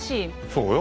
そうよ？